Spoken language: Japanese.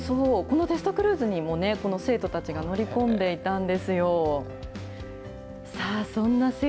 そう、このテストクルーズにもこの生徒たちが乗り込んでいたんですよ。